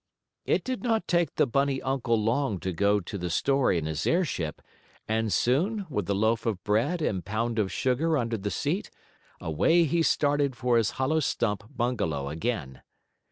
It did not take the bunny uncle long to go to the store in his airship, and soon, with the loaf of bread and pound of sugar under the seat, away he started for his hollow stump bungalow again.